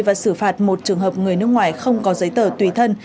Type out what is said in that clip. và xử phạt một trường hợp người nước ngoài không có giấy tờ tùy thân